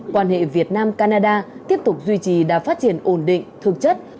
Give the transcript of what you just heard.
quan hệ việt nam canada tiếp tục duy trì đã phát triển ổn định thực chất